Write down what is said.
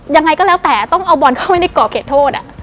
ยังไงก็แล้วแต่ต้องเอาบอลเข้าไว้ในก่อเขตโทษ